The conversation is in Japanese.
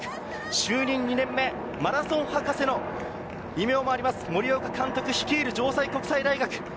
就任２年目、マラソン博士の異名もあります、森岡監督率いる城西国際大学。